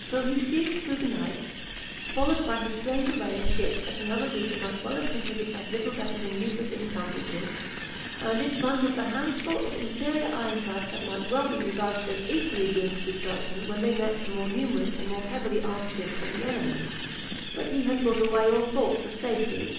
So he steamed through the night, followed by his strange array of ships that another leader might well have considered as little better than useless encumbrances, and in front the handful of inferior ironclads that might well be regarded as equally doomed to destruction when they met the more numerous and more heavily armed ships of the enemy. But he had put away all thoughts of safety.